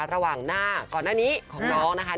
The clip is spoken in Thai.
ระหว่างหน้าก่อนหน้านี้ของน้องนะคะ